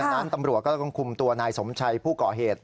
ตามตำรวจก็คุมตัวนายสมชัยผู้เกาะเหตุ